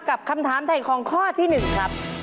กับคำถามไถ่ของข้อที่๑ครับ